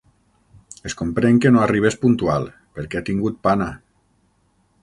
Es comprèn que no arribés puntual, perquè ha tingut pana.